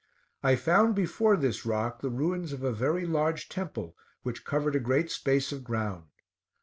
I found before this rock the ruins of a very large temple, which covered a great space of ground.